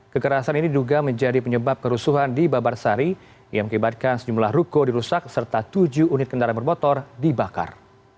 kekerasan ini diduga menjadi penyebab kerusuhan di babarsari yang mengibatkan sejumlah ruko dirusak serta tujuh unit kendaraan bermotor dibakar